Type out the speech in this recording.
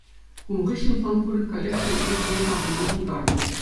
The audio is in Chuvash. Кун хыҫҫӑн фанфурик каллех сентре ҫине таврӑнма пултарнӑ.